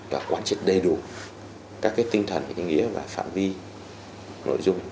và quan trị đầy đủ các cái tinh thần nghĩa và phạm vi nội dung